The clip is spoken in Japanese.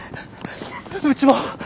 うちも。